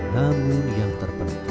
namun yang terpenting